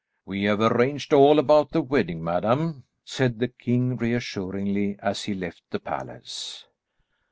"We have arranged all about the wedding, madam," said the king reassuringly as he left the palace.